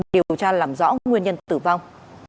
điều tra làm rõ nguyên nhân tử vong